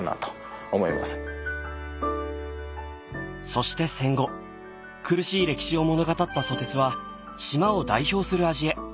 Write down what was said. そして戦後苦しい歴史を物語ったソテツは島を代表する味へ。